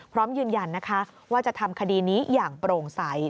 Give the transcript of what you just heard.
พร้อมยืนยันนะคะว่าจะทำคดีนี้อย่างโปร่งใส